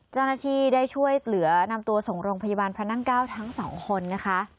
เจ้าหน้าที่ได้ช่วยเหลือนำตัวส่งโรงพยาบาลพระนั่ง๙ทั้งสองคนนะคะ